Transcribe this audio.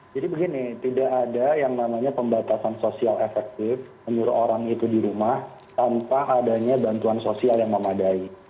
jadi begini tidak ada yang namanya pembatasan sosial efektif menurut orang itu di rumah tanpa adanya bantuan sosial yang memadai